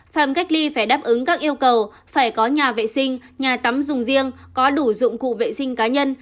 phòng cách ly phải đáp ứng các yêu cầu phải có nhà vệ sinh nhà tắm dùng riêng có đủ dụng cụ vệ sinh cá nhân